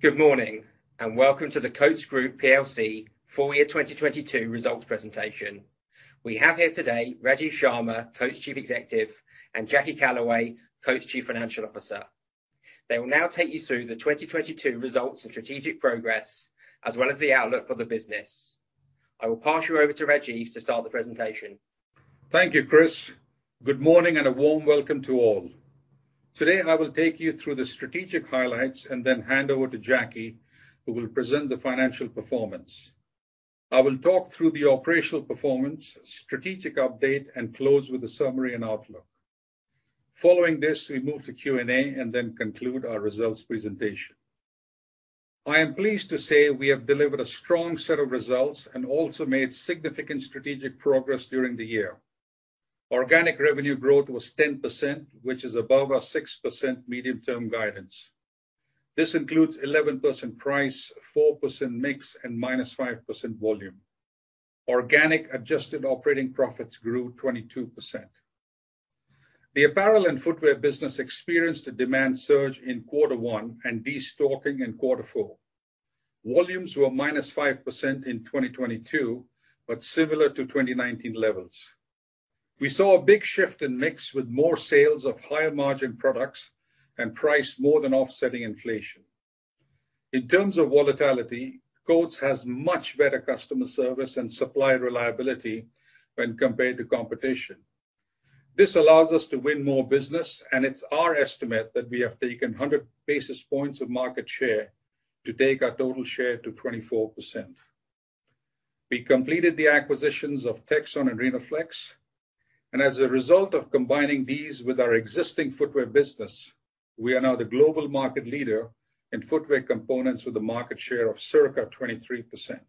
Good morning, welcome to the Coats Group Plc Full Year 2022 results presentation. We have here today Rajiv Sharma, Coats' Chief Executive, and Jackie Callaway, Coats' Chief Financial Officer. They will now take you through the 2022 results and strategic progress, as well as the outlook for the business. I will pass you over to Rajiv to start the presentation. Thank you, Chris. Good morning and a warm welcome to all. Today, I will take you through the strategic highlights and then hand over to Jackie, who will present the financial performance. I will talk through the operational performance, strategic update, and close with a summary and outlook. Following this, we move to Q&A and then conclude our results presentation. I am pleased to say we have delivered a strong set of results and also made significant strategic progress during the year. Organic revenue growth was 10%, which is above our 6% medium-term guidance. This includes 11% price, 4% mix, and -5% volume. Organic adjusted operating profits grew 22%. The apparel and footwear business experienced a demand surge in quarter one and destocking in quarter four. Volumes were -5% in 2022, but similar to 2019 levels. We saw a big shift in mix with more sales of higher margin products and price more than offsetting inflation. In terms of volatility, Coats has much better customer service and supply reliability when compared to competition. This allows us to win more business, and it's our estimate that we have taken 100 basis points of market share to take our total share to 24%. We completed the acquisitions of Texon and Rhenoflex, and as a result of combining these with our existing footwear business, we are now the global market leader in footwear components with a market share of circa 23%.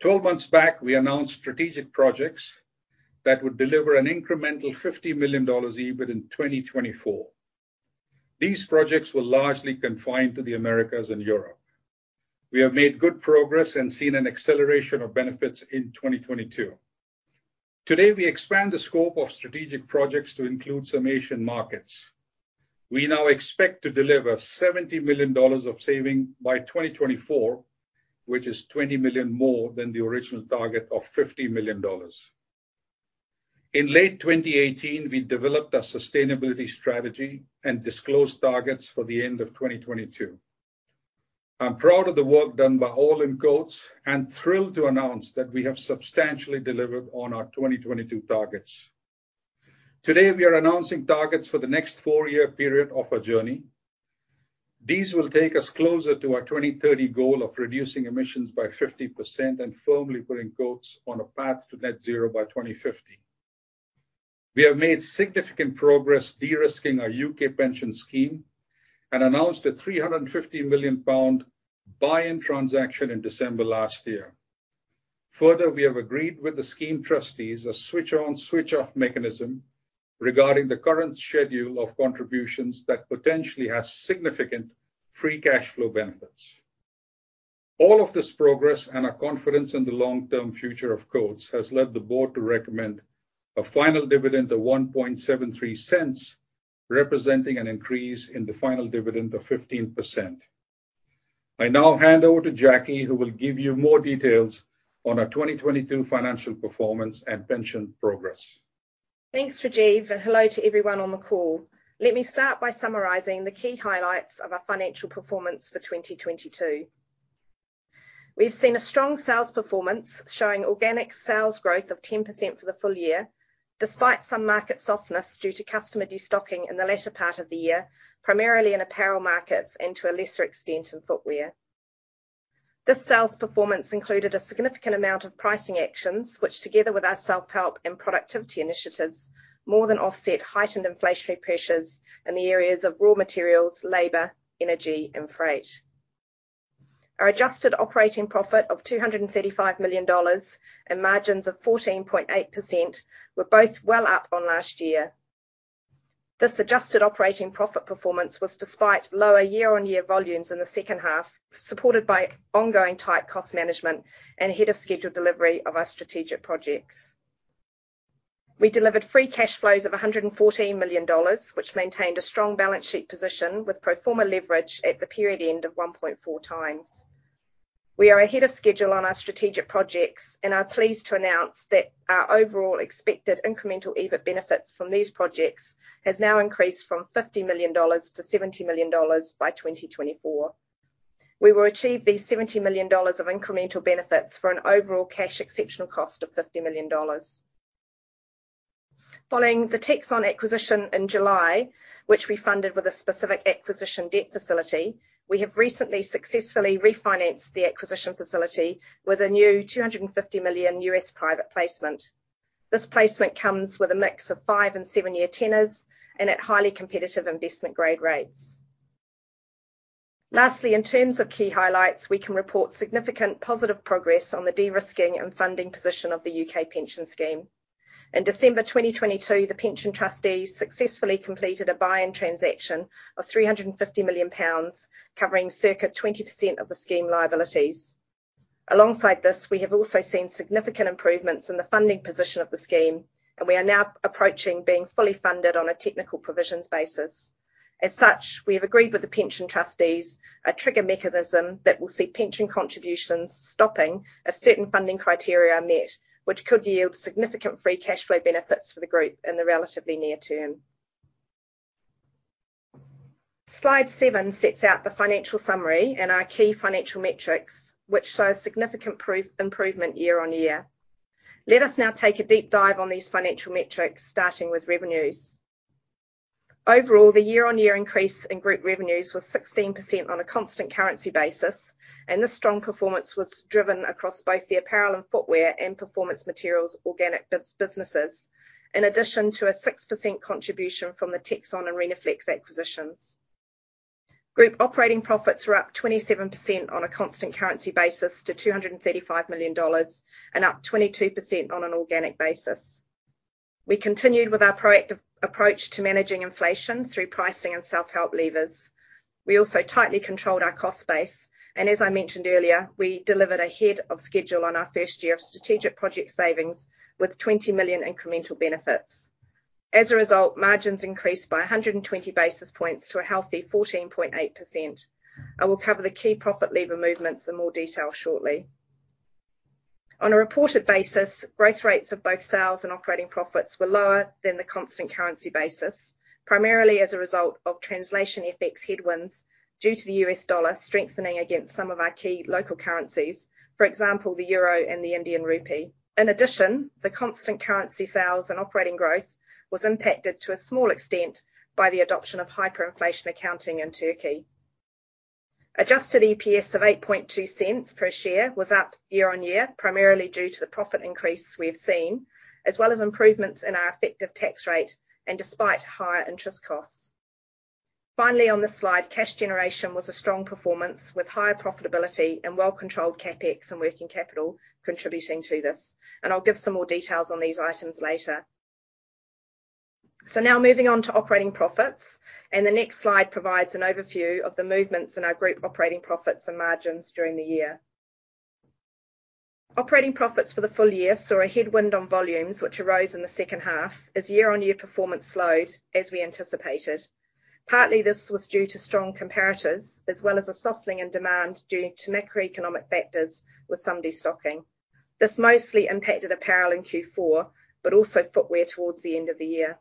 12 months back, we announced strategic projects that would deliver an incremental $50 million EBIT in 2024. These projects were largely confined to the Americas and Europe. We have made good progress and seen an acceleration of benefits in 2022. Today, we expand the scope of strategic projects to include some Asian markets. We now expect to deliver $70 million of saving by 2024, which is $20 million more than the original target of $50 million. In late 2018, we developed our sustainability strategy and disclosed targets for the end of 2022. I'm proud of the work done by all in Coats and thrilled to announce that we have substantially delivered on our 2022 targets. Today, we are announcing targets for the next four-year period of our journey. These will take us closer to our 2030 goal of reducing emissions by 50% and firmly putting Coats on a path to net zero by 2050. We have made significant progress de-risking our U.K. pension scheme and announced a 350 million pound buy-in transaction in December last year. Further, we have agreed with the scheme trustees a switch-on, switch-off mechanism regarding the current schedule of contributions that potentially has significant free cash flow benefits. All of this progress and our confidence in the long-term future of Coats has led the board to recommend a final dividend of $0.0173, representing an increase in the final dividend of 15%. I now hand over to Jackie, who will give you more details on our 2022 financial performance and pension progress. Thanks, Rajiv, and hello to everyone on the call. Let me start by summarizing the key highlights of our financial performance for 2022. We've seen a strong sales performance, showing organic sales growth of 10% for the full year, despite some market softness due to customer destocking in the latter part of the year, primarily in apparel markets and to a lesser extent in footwear. This sales performance included a significant amount of pricing actions, which together with our self-help and productivity initiatives, more than offset heightened inflationary pressures in the areas of raw materials, labor, energy, and freight. Our adjusted operating profit of $235 million and margins of 14.8% were both well up on last year. This adjusted operating profit performance was despite lower year-on-year volumes in the second half, supported by ongoing tight cost management and ahead of scheduled delivery of our strategic projects. We delivered free cash flows of $114 million, which maintained a strong balance sheet position with pro forma leverage at the period end of 1.4x. We are ahead of schedule on our strategic projects and are pleased to announce that our overall expected incremental EBIT benefits from these projects has now increased from $50 million-$70 million by 2024. We will achieve these $70 million of incremental benefits for an overall cash exceptional cost of $50 million. Following the Texon acquisition in July, which we funded with a specific acquisition debt facility, we have recently successfully refinanced the acquisition facility with a new $250 million US private placement. This placement comes with a mix of five and seven-year tenors and at highly competitive investment-grade rates. Lastly, in terms of key highlights, we can report significant positive progress on the de-risking and funding position of the U.K. pension scheme. In December 2022, the pension trustees successfully completed a buy-in transaction of 350 million pounds, covering circa 20% of the scheme liabilities. Alongside this, we have also seen significant improvements in the funding position of the scheme, and we are now approaching being fully funded on a technical provisions basis. As such, we have agreed with the pension trustees a trigger mechanism that will see pension contributions stopping if certain funding criteria are met, which could yield significant free cash flow benefits for the group in the relatively near term. Slide seven sets out the financial summary and our key financial metrics, which shows significant improvement year-on-year. Let us now take a deep dive on these financial metrics, starting with revenues. Overall, the year-on-year increase in group revenues was 16% on a constant currency basis. This strong performance was driven across both the apparel and footwear and performance materials organic businesses, in addition to a 6% contribution from the Texon and Rhenoflex acquisitions. Group operating profits were up 27% on a constant currency basis to $235 million and up 22% on an organic basis. We continued with our proactive approach to managing inflation through pricing and self-help levers. We also tightly controlled our cost base, as I mentioned earlier, we delivered ahead of schedule on our first year of strategic project savings with $20 million incremental benefits. As a result, margins increased by 120 basis points to a healthy 14.8%. I will cover the key profit lever movements in more detail shortly. On a reported basis, growth rates of both sales and operating profits were lower than the constant currency basis, primarily as a result of translation effects headwinds due to the U.S. dollar strengthening against some of our key local currencies, for example, the euro and the Indian rupee. In addition, the constant currency sales and operating growth was impacted to a small extent by the adoption of hyperinflation accounting in Turkey. Adjusted EPS of $0.082 per share was up year-on-year, primarily due to the profit increase we have seen, as well as improvements in our effective tax rate and despite higher interest costs. Finally, on this slide, cash generation was a strong performance, with higher profitability and well-controlled CapEx and working capital contributing to this. I'll give some more details on these items later. Now moving on to operating profits, the next slide provides an overview of the movements in our group operating profits and margins during the year. Operating profits for the full year saw a headwind on volumes which arose in the second half as year-on-year performance slowed, as we anticipated. Partly, this was due to strong comparatives, as well as a softening in demand due to macroeconomic factors, with some destocking. This mostly impacted apparel in Q4, also footwear towards the end of the year.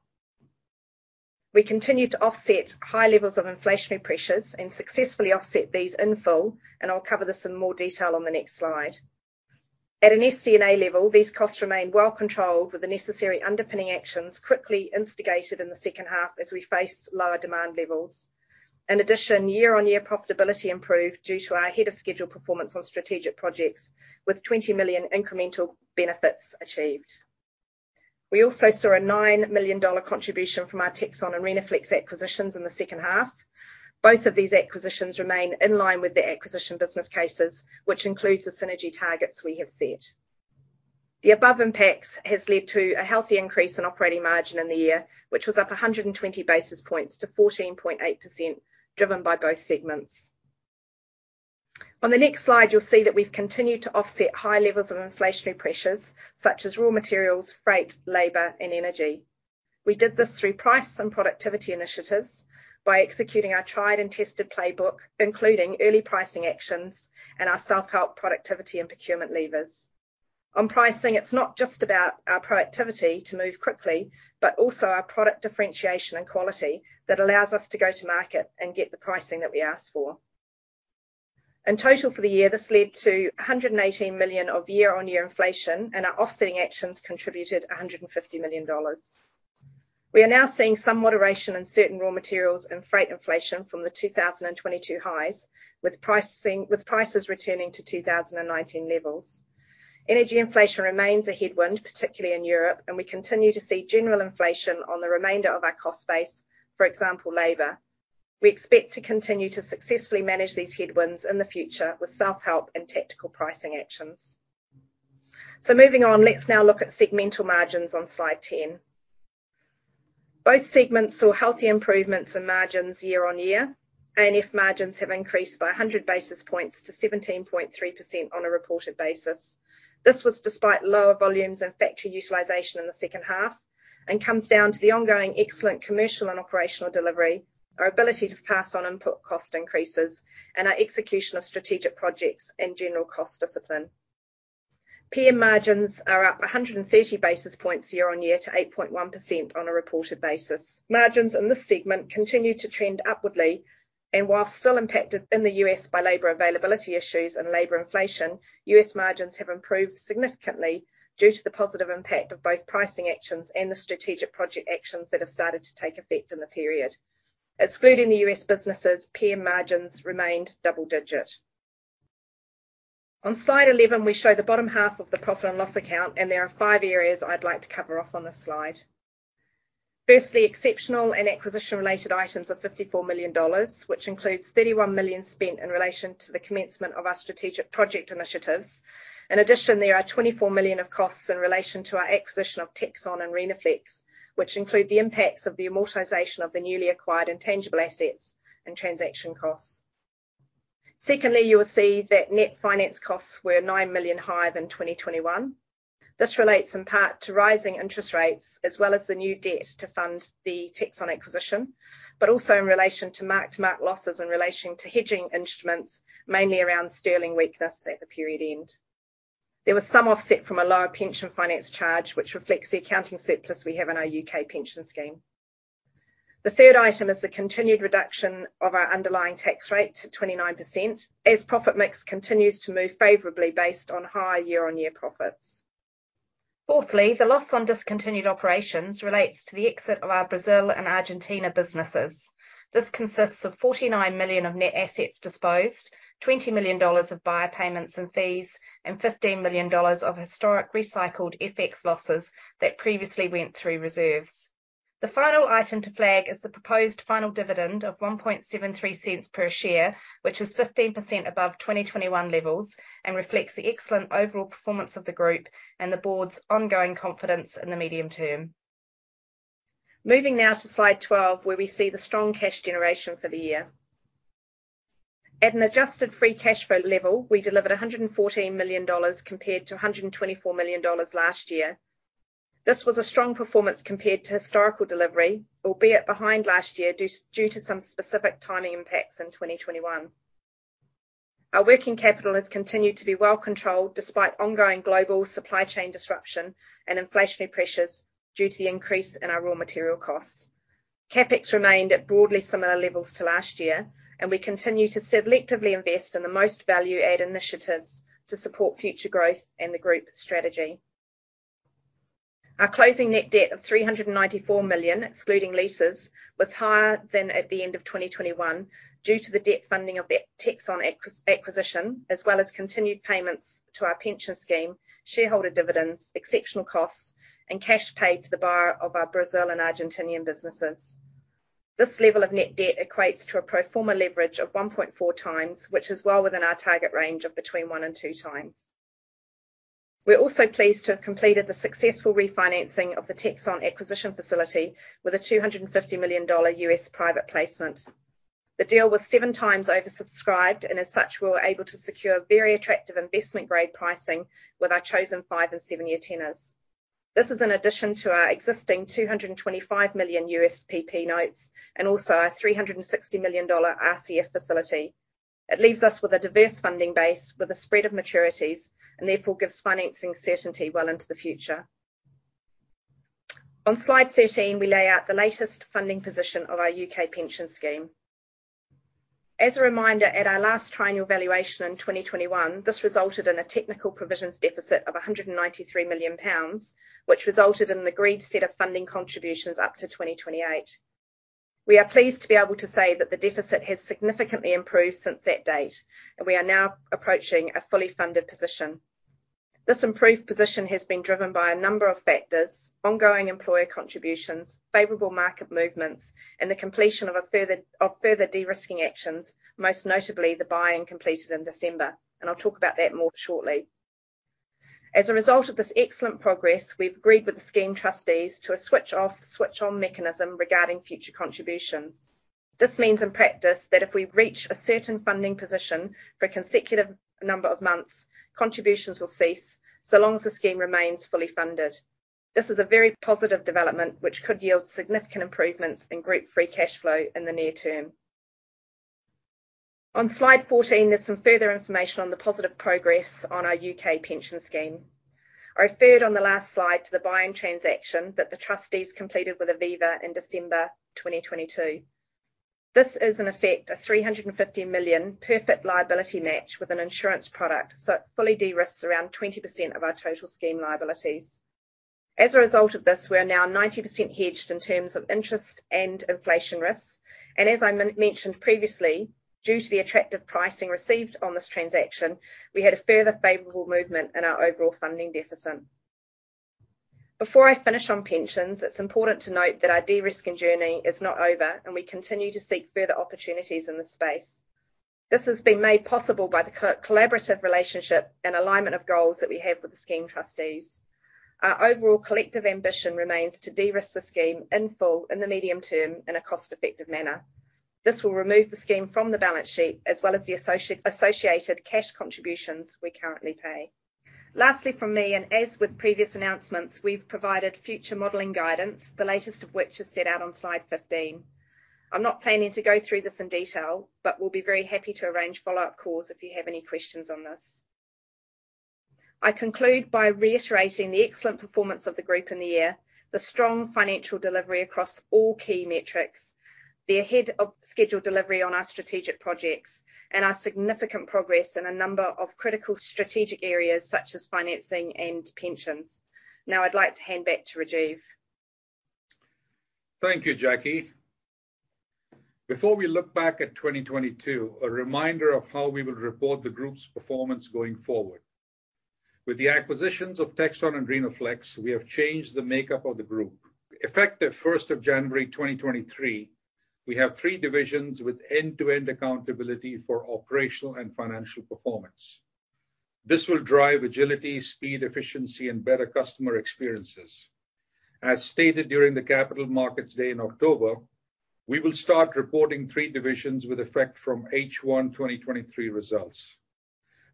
We continued to offset high levels of inflationary pressures and successfully offset these in full, I'll cover this in more detail on the next slide. At an SD&A level, these costs remained well-controlled, with the necessary underpinning actions quickly instigated in the second half as we faced lower demand levels. In addition, year-on-year profitability improved due to our ahead-of-schedule performance on strategic projects, with $20 million incremental benefits achieved. We also saw a $9 million contribution from our Texon and Rhenoflex acquisitions in the second half. Both of these acquisitions remain in line with the acquisition business cases, which includes the synergy targets we have set. The above impacts has led to a healthy increase in operating margin in the year, which was up 120 basis points to 14.8%, driven by both segments. On the next slide, you'll see that we've continued to offset high levels of inflationary pressures such as raw materials, freight, labor and energy. We did this through price and productivity initiatives by executing our tried and tested playbook, including early pricing actions and our self-help productivity and procurement levers. On pricing, it's not just about our proactivity to move quickly, but also our product differentiation and quality that allows us to go to market and get the pricing that we ask for. In total for the year, this led to 118 million of year-on-year inflation, and our offsetting actions contributed $150 million. We are now seeing some moderation in certain raw materials and freight inflation from the 2022 highs, with prices returning to 2019 levels. Energy inflation remains a headwind, particularly in Europe, and we continue to see general inflation on the remainder of our cost base, for example, labor. We expect to continue to successfully manage these headwinds in the future with self-help and tactical pricing actions. Moving on. Let's now look at segmental margins on slide 10. Both segments saw healthy improvements in margins year-over-year. A&F margins have increased by 100 basis points to 17.3% on a reported basis. This was despite lower volumes and factory utilization in the second half and comes down to the ongoing excellent commercial and operational delivery, our ability to pass on input cost increases, and our execution of strategic projects and general cost discipline. PM margins are up 130 basis points year-on-year to 8.1% on a reported basis. Margins in this segment continued to trend upwardly, and while still impacted in the U.S. by labor availability issues and labor inflation, U.S. margins have improved significantly due to the positive impact of both pricing actions and the strategic project actions that have started to take effect in the period. Excluding the U.S. businesses, PM margins remained double digit. On slide 11, we show the bottom half of the profit and loss account, and there are five areas I'd like to cover off on this slide. Exceptional and acquisition-related items of $54 million, which includes $31 million spent in relation to the commencement of our strategic project initiatives. There are $24 million of costs in relation to our acquisition of Texon and Rhenoflex, which include the impacts of the amortization of the newly acquired intangible assets and transaction costs. You will see that net finance costs were $9 million higher than 2021. This relates in part to rising interest rates, as well as the new debt to fund the Texon acquisition, but also in relation to mark-to-mark losses in relation to hedging instruments, mainly around sterling weakness at the period end. There was some offset from a lower pension finance charge, which reflects the accounting surplus we have in our UK pension scheme. The third item is the continued reduction of our underlying tax rate to 29% as profit mix continues to move favorably based on higher year-on-year profits. Fourthly, the loss on discontinued operations relates to the exit of our Brazil and Argentina businesses. This consists of $49 million of net assets disposed, $20 million of buyer payments and fees, and $15 million of historic recycled FX losses that previously went through reserves. The final item to flag is the proposed final dividend of $0.0173 per share, which is 15% above 2021 levels and reflects the excellent overall performance of the group and the board's ongoing confidence in the medium term. Moving now to slide 12, where we see the strong cash generation for the year. At an adjusted free cash flow level, we delivered $114 million compared to $124 million last year. This was a strong performance compared to historical delivery, albeit behind last year due to some specific timing impacts in 2021. Our working capital has continued to be well-controlled despite ongoing global supply chain disruption and inflationary pressures due to the increase in our raw material costs. CapEx remained at broadly similar levels to last year, and we continue to selectively invest in the most value-add initiatives to support future growth and the group strategy. Our closing net debt of $394 million, excluding leases, was higher than at the end of 2021 due to the debt funding of the Texon acquisition, as well as continued payments to our pension scheme, shareholder dividends, exceptional costs, and cash paid to the buyer of our Brazil and Argentinian businesses. This level of net debt equates to a pro forma leverage of 1.4x, which is well within our target range of between one and 2x. We're also pleased to have completed the successful refinancing of the Texon acquisition facility with a $250 million US private placement. The deal was seven times oversubscribed, and as such, we were able to secure very attractive investment-grade pricing with our chosen five and seven-year tenors. This is in addition to our existing $225 million U.S. PP notes and also our $360 million RCF facility. It leaves us with a diverse funding base with a spread of maturities and therefore gives financing certainty well into the future. On slide 13, we lay out the latest funding position of our U.K. pension scheme. As a reminder, at our last triennial valuation in 2021, this resulted in a technical provisions deficit of 193 million pounds, which resulted in an agreed set of funding contributions up to 2028. We are pleased to be able to say that the deficit has significantly improved since that date, and we are now approaching a fully funded position. This improved position has been driven by a number of factors: ongoing employer contributions, favorable market movements, and the completion of further de-risking actions, most notably the buy-in completed in December, and I'll talk about that more shortly. As a result of this excellent progress, we've agreed with the scheme trustees to a switch off / switch on mechanism regarding future contributions. This means in practice that if we reach a certain funding position for a consecutive number of months, contributions will cease so long as the scheme remains fully funded. This is a very positive development which could yield significant improvements in group free cash flow in the near term. On slide 14, there's some further information on the positive progress on our U.K. pension scheme. I referred on the last slide to the buy-in transaction that the trustees completed with Aviva in December 2022. This is in effect a 350 million perfect liability match with an insurance product. It fully de-risks around 20% of our total scheme liabilities. As I mentioned previously, due to the attractive pricing received on this transaction, we had a further favorable movement in our overall funding deficit. Before I finish on pensions, it's important to note that our de-risking journey is not over. We continue to seek further opportunities in this space. This has been made possible by the collaborative relationship and alignment of goals that we have with the scheme trustees. Our overall collective ambition remains to de-risk the scheme in full in the medium term in a cost-effective manner. This will remove the scheme from the balance sheet as well as the associated cash contributions we currently pay. Lastly from me, and as with previous announcements, we've provided future modeling guidance, the latest of which is set out on slide 15. I'm not planning to go through this in detail, but we'll be very happy to arrange follow-up calls if you have any questions on this. I conclude by reiterating the excellent performance of the group in the year, the strong financial delivery across all key metrics, the ahead of schedule delivery on our strategic projects, and our significant progress in a number of critical strategic areas such as financing and pensions. Now I'd like to hand back to Rajiv. Thank you, Jackie. Before we look back at 2022, a reminder of how we will report the group's performance going forward. With the acquisitions of Texon and Rhenoflex, we have changed the makeup of the group. Effective 1st of January 2023, we have three divisions with end-to-end accountability for operational and financial performance. This will drive agility, speed, efficiency, and better customer experiences. As stated during the Capital Markets Day in October, we will start reporting three divisions with effect from H1 2023 results.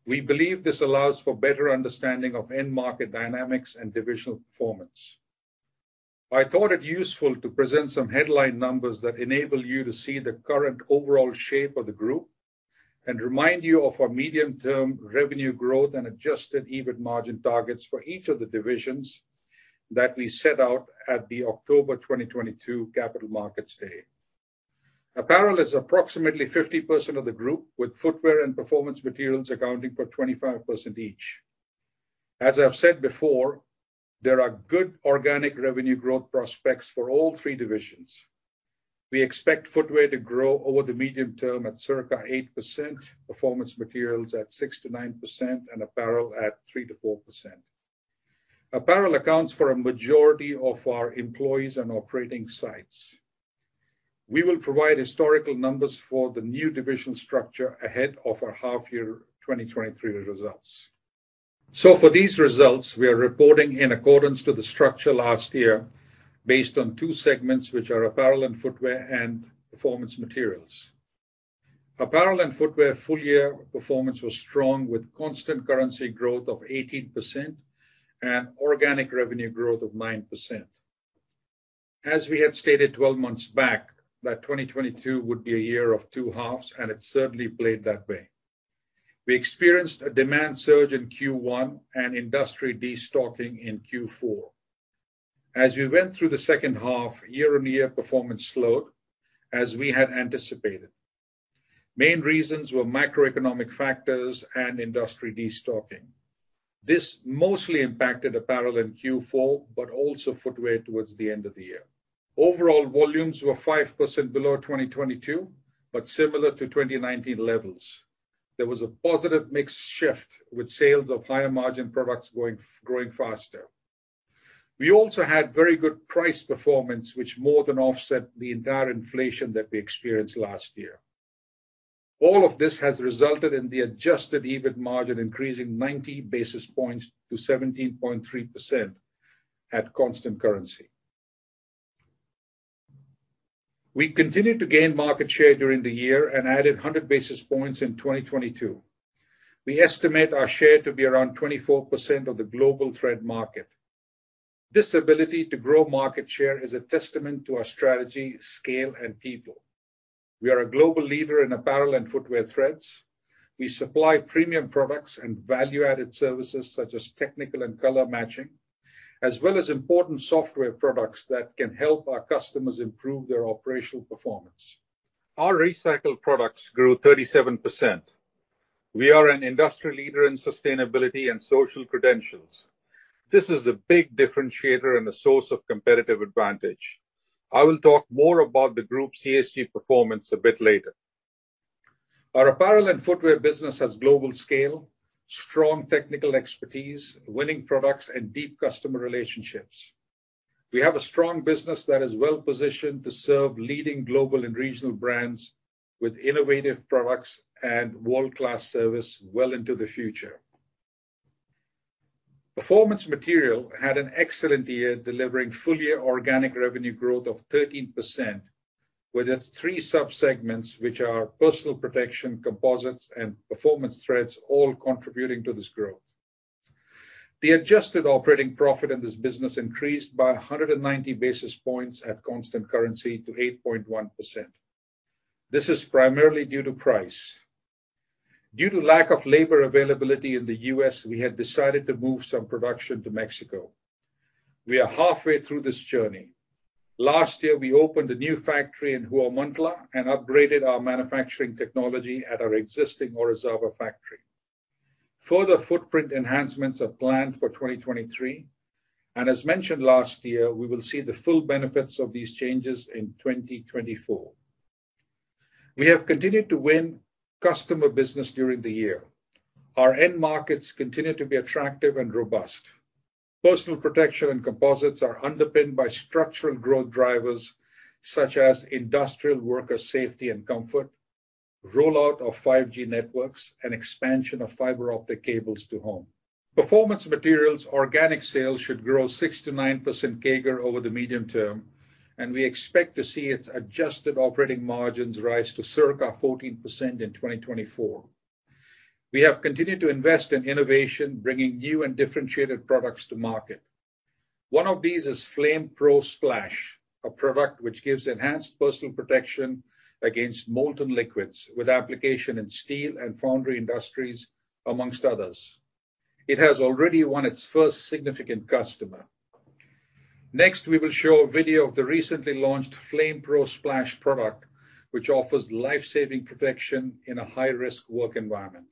We believe this allows for better understanding of end market dynamics and divisional performance. I thought it useful to present some headline numbers that enable you to see the current overall shape of the group and remind you of our medium-term revenue growth and adjusted EBIT margin targets for each of the divisions that we set out at the October 2022 Capital Markets Day. Apparel is approximately 50% of the group, with footwear and Performance Materials accounting for 25% each. As I've said before, there are good organic revenue growth prospects for all three divisions. We expect footwear to grow over the medium term at circa 8%, Performance Materials at 6%-9%, and apparel at 3%-4%. Apparel accounts for a majority of our employees and operating sites. We will provide historical numbers for the new division structure ahead of our half year 2023 results. For these results, we are reporting in accordance to the structure last year based on two segments, which are apparel and footwear and Performance Materials. Apparel and footwear full year performance was strong with constant currency growth of 18% and organic revenue growth of 9%. As we had stated 12 months back, that 2022 would be a year of two halves, and it certainly played that way. We experienced a demand surge in Q1 and industry destocking in Q4. As we went through the second half, year-on-year performance slowed as we had anticipated. Main reasons were macroeconomic factors and industry destocking. This mostly impacted apparel in Q4, but also footwear towards the end of the year. Overall volumes were 5% below 2022, but similar to 2019 levels. There was a positive mix shift with sales of higher margin products growing faster. We also had very good price performance, which more than offset the entire inflation that we experienced last year. All of this has resulted in the adjusted EBIT margin increasing 90 basis points to 17.3% at constant currency. We continued to gain market share during the year and added 100 basis points in 2022. We estimate our share to be around 24% of the global thread market. This ability to grow market share is a testament to our strategy, scale, and people. We are a global leader in apparel and footwear threads. We supply premium products and value-added services such as technical and color matching, as well as important software products that can help our customers improve their operational performance. Our recycled products grew 37%. We are an industrial leader in sustainability and social credentials. This is a big differentiator and a source of competitive advantage. I will talk more about the group's ESG performance a bit later. Our apparel and footwear business has global scale, strong technical expertise, winning products, and deep customer relationships. We have a strong business that is well-positioned to serve leading global and regional brands with innovative products and world-class service well into the future. Performance Materials had an excellent year delivering full year organic revenue growth of 13%, with its three subsegments which are personal protection, composites, and performance threads all contributing to this growth. The adjusted operating profit in this business increased by 190 basis points at constant currency to 8.1%. This is primarily due to price. Due to lack of labor availability in the U.S., we had decided to move some production to Mexico. We are halfway through this journey. Last year, we opened a new factory in Huamantla and upgraded our manufacturing technology at our existing Orizaba factory. Further footprint enhancements are planned for 2023. As mentioned last year, we will see the full benefits of these changes in 2024. We have continued to win customer business during the year. Our end markets continue to be attractive and robust. Personal protection and composites are underpinned by structural growth drivers such as industrial worker safety and comfort, rollout of 5G networks, and expansion of fiber optic cables to home. Performance materials organic sales should grow 6%-9% CAGR over the medium term. We expect to see its adjusted operating margins rise to circa 14% in 2024. We have continued to invest in innovation, bringing new and differentiated products to market. One of these is FlamePro Splash, a product which gives enhanced Personal protection against molten liquids with application in steel and foundry industries, amongst others. It has already won its first significant customer. Next, we will show a video of the recently launched FlamePro Splash product, which offers life-saving protection in a high-risk work environment.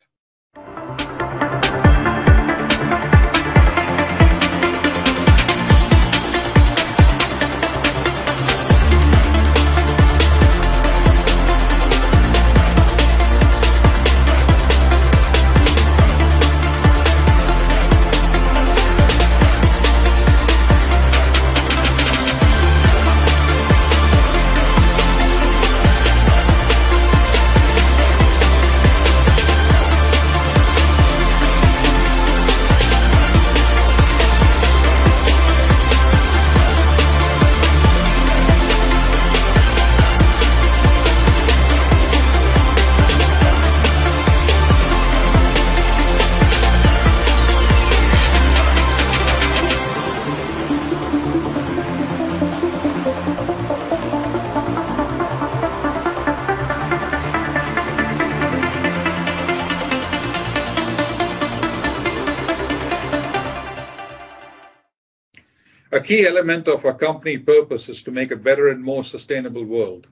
A key element of our company purpose is to make a better and more sustainable world.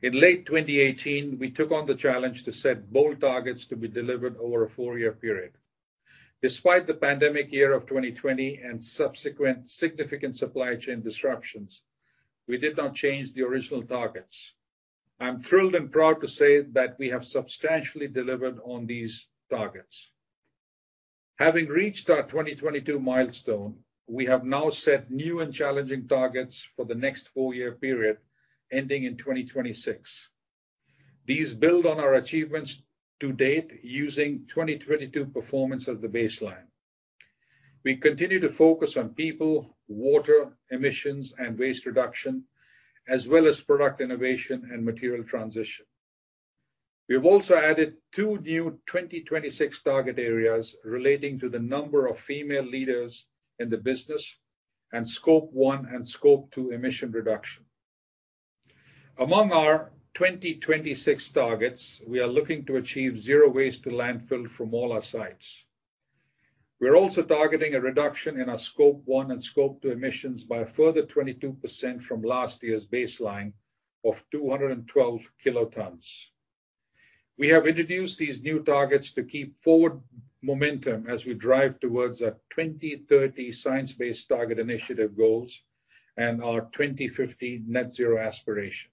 In late 2018, we took on the challenge to set bold targets to be delivered over a four-year period. Despite the pandemic year of 2020 and subsequent significant supply chain disruptions, we did not change the original targets. I'm thrilled and proud to say that we have substantially delivered on these targets. Having reached our 2022 milestone, we have now set new and challenging targets for the next four-year period ending in 2026. These build on our achievements to date using 2022 performance as the baseline. We continue to focus on people, water, emissions, and waste reduction, as well as product innovation and material transition. We have also added two new 2026 target areas relating to the number of female leaders in the business and Scope 1 and Scope 2 emission reduction. Among our 2026 targets, we are looking to achieve zero waste to landfill from all our sites. We are also targeting a reduction in our Scope 1 and Scope 2 emissions by a further 22% from last year's baseline of 212 kilotons. We have introduced these new targets to keep forward momentum as we drive towards our 2030 Science Based Targets initiative goals and our 2050 net zero aspiration.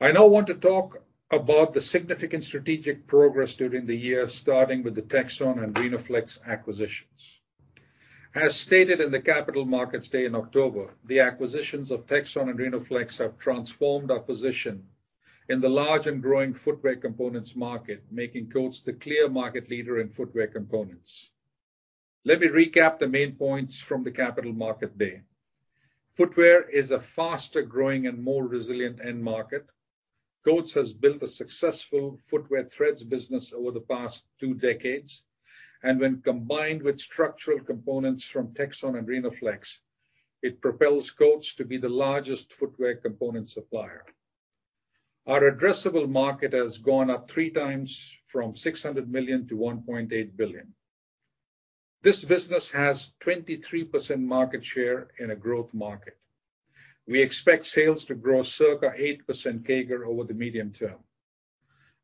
I now want to talk about the significant strategic progress during the year, starting with the Texon and Rhenoflex acquisitions. As stated in the Capital Markets Day in October, the acquisitions of Texon and Rhenoflex have transformed our position in the large and faster-growing footwear components market, making Coats the clear market leader in footwear components. Let me recap the main points from the Capital Markets Day. Footwear is a faster-growing and more resilient end market. Coats has built a successful footwear threads business over the past two decades, and when combined with structural components from Texon and Rhenoflex, it propels Coats to be the largest footwear component supplier. Our addressable market has gone up 3x from $600 million to $1.8 billion. This business has 23% market share in a growth market. We expect sales to grow circa 8% CAGR over the medium term.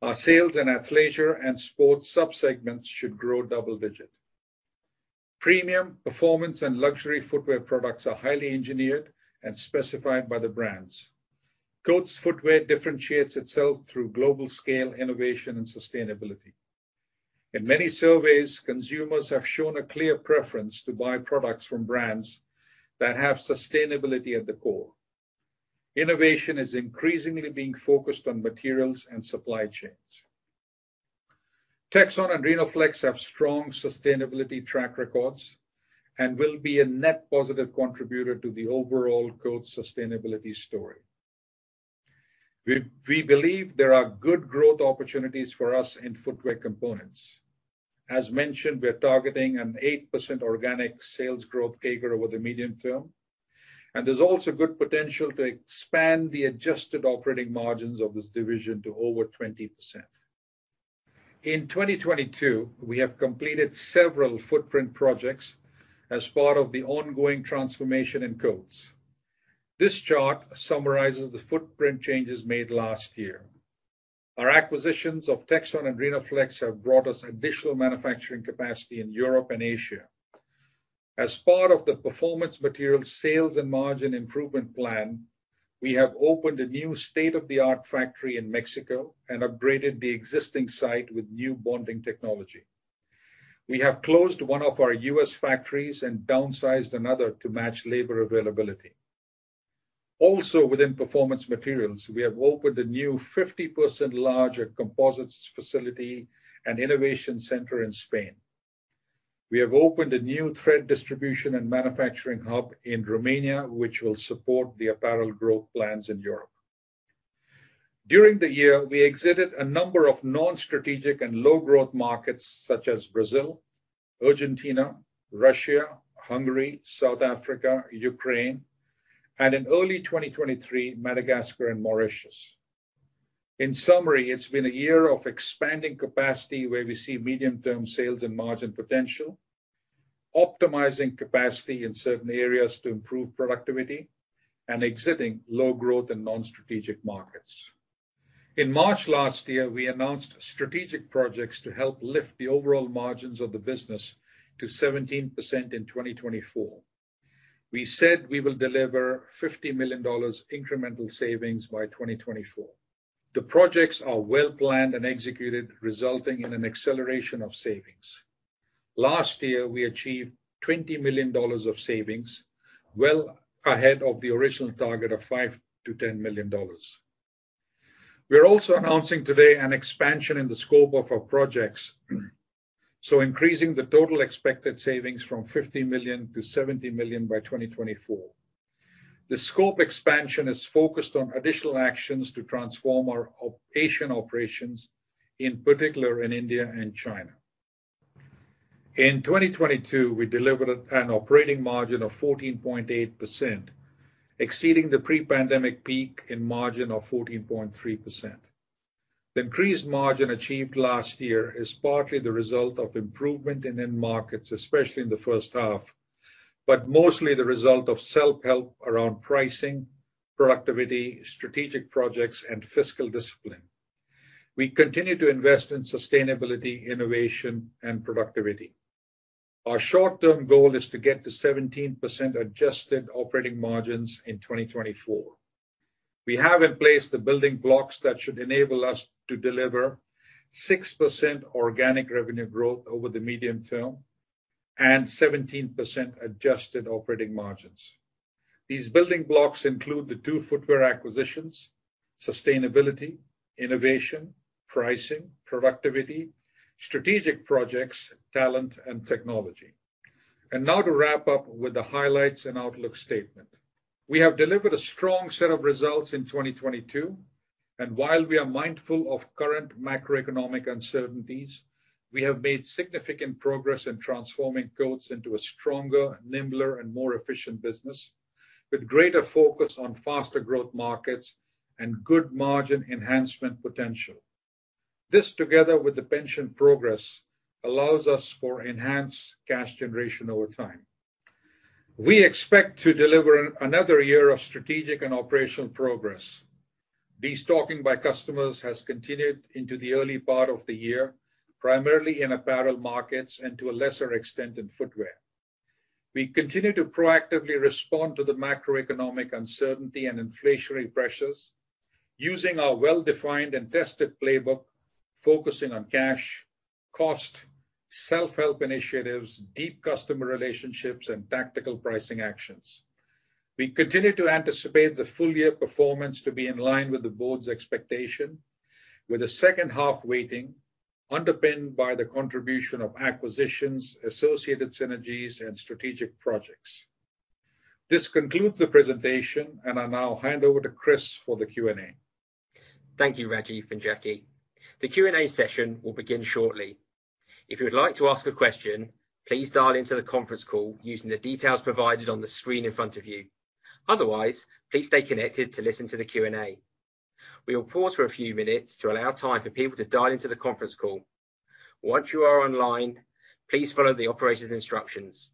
Our sales and athleisure and sports subsegments should grow double-digit. Premium performance and luxury footwear products are highly engineered and specified by the brands. Coats' footwear differentiates itself through global scale innovation and sustainability. In many surveys, consumers have shown a clear preference to buy products from brands that have sustainability at the core. Innovation is increasingly being focused on materials and supply chains. Texon and Rhenoflex have strong sustainability track records and will be a net positive contributor to the overall Coats sustainability story. We believe there are good growth opportunities for us in footwear components. As mentioned, we're targeting an 8% organic sales growth CAGR over the medium term, and there's also good potential to expand the adjusted operating margins of this division to over 20%. In 2022, we have completed several footprint projects as part of the ongoing transformation in Coats. This chart summarizes the footprint changes made last year. Our acquisitions of Texon and Rhenoflex have brought us additional manufacturing capacity in Europe and Asia. As part of the Performance Materials sales and margin improvement plan, we have opened a new state-of-the-art factory in Mexico and upgraded the existing site with new bonding technology. We have closed one of our U.S. factories and downsized another to match labor availability. Within Performance Materials, we have opened a new 50% larger composites facility and innovation center in Spain. We have opened a new thread distribution and manufacturing hub in Romania, which will support the apparel growth plans in Europe. During the year, we exited a number of non-strategic and low growth markets such as Brazil, Argentina, Russia, Hungary, South Africa, Ukraine, and in early 2023, Madagascar and Mauritius. In summary, it's been a year of expanding capacity where we see medium-term sales and margin potential, optimizing capacity in certain areas to improve productivity, and exiting low growth and non-strategic markets. In March last year, we announced strategic projects to help lift the overall margins of the business to 17% in 2024. We said we will deliver $50 million incremental savings by 2024. The projects are well planned and executed, resulting in an acceleration of savings. Last year, we achieved $20 million of savings, well ahead of the original target of $5 million-$10 million. We are also announcing today an expansion in the scope of our projects, increasing the total expected savings from $50 million to $70 million by 2024. The scope expansion is focused on additional actions to transform our Asian operations, in particular in India and China. In 2022, we delivered an operating margin of 14.8%, exceeding the pre-pandemic peak in margin of 14.3%. The increased margin achieved last year is partly the result of improvement in end markets, especially in the first half, but mostly the result of self-help around pricing, productivity, strategic projects, and fiscal discipline. We continue to invest in sustainability, innovation, and productivity. Our short-term goal is to get to 17% adjusted operating margins in 2024. We have in place the building blocks that should enable us to deliver 6% organic revenue growth over the medium term and 17% adjusted operating margins. These building blocks include the two footwear acquisitions, sustainability, innovation, pricing, productivity, strategic projects, talent, and technology. Now to wrap up with the highlights and outlook statement. We have delivered a strong set of results in 2022, and while we are mindful of current macroeconomic uncertainties, we have made significant progress in transforming Coats into a stronger, nimbler, and more efficient business with greater focus on faster growth markets and good margin enhancement potential. This, together with the pension progress, allows us for enhanced cash generation over time. We expect to deliver another year of strategic and operational progress. Destocking by customers has continued into the early part of the year, primarily in apparel markets and to a lesser extent in footwear. We continue to proactively respond to the macroeconomic uncertainty and inflationary pressures using our well-defined and tested playbook, focusing on cash, cost, self-help initiatives, deep customer relationships, and tactical pricing actions. We continue to anticipate the full year performance to be in line with the board's expectation, with the second half weighting underpinned by the contribution of acquisitions, associated synergies, and strategic projects. This concludes the presentation. I now hand over to Chris for the Q&A. Thank you, Rajiv and Jackie. The Q&A session will begin shortly. If you would like to ask a question, please dial into the conference call using the details provided on the screen in front of you. Otherwise, please stay connected to listen to the Q&A. We will pause for a few minutes to allow time for people to dial into the conference call. Once you are online, please follow the operator's instructions.